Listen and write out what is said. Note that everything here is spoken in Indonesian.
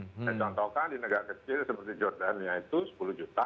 saya contohkan di negara kecil seperti jordania itu sepuluh juta